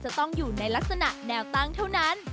จะต้องอยู่ในลักษณะแนวตั้งเท่านั้น